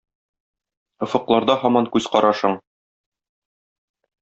Офыкларда һаман күз карашың?